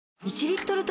１リットル！？